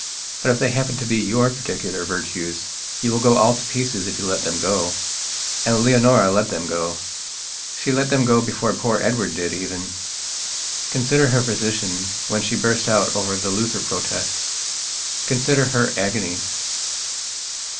But if they happen to be your particular virtues you will go all to pieces if you let them go. And Leonora let them go. She let them go before poor Edward did even. Consider her position when she burst out over the Luther Protest.... Consider her agonies....